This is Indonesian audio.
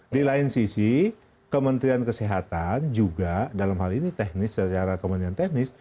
di lain sisi kementerian kesehatan juga dalam hal ini teknis secara kementerian teknis